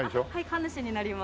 神主になります。